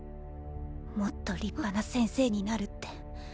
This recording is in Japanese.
もっと立派な先生になるって。